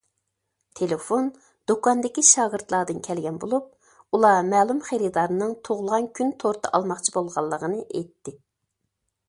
تېلېفون دۇكاندىكى شاگىرتلاردىن كەلگەن بولۇپ، ئۇلار مەلۇم خېرىدارنىڭ تۇغۇلغان كۈن تورتى ئالماقچى بولغانلىقىنى ئېيتتى.